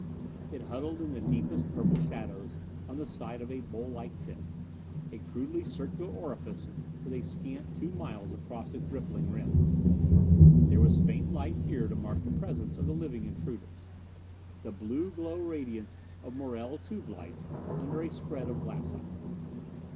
It huddled in the deepest purple shadows on the side of a bowl like pit, a crudely circular orifice with a scant two miles across its rippling rim. There was faint light here to mark the presence of the living intruders. The blue glow radiance of Morrell tube lights under a spread of glassite.